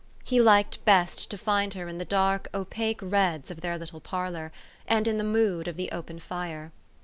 He liked best to find her in the dark, opaque reds of their little parlor, and in the mood of the open fire.